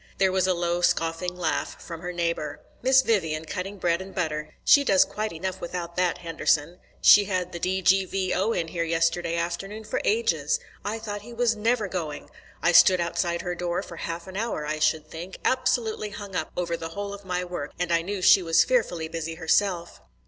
There was a low scoffing laugh from her neighbour. "Miss Vivian cutting bread and butter! She does quite enough without that, Henderson. She had the D.G.V.O. in there yesterday afternoon for ages. I thought he was never going. I stood outside her door for half an hour, I should think, absolutely hung up over the whole of my work, and I knew she was fearfully busy herself."